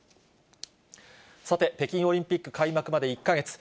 さて、北京オリンピック開幕まで１か月。